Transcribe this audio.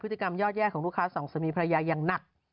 พฤติกรรมยอดแย่ของลูกค้าสองสามีภรรยาอย่างหนัก